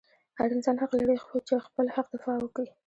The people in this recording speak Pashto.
هر انسان حق لري چې خپل حق دفاع وکي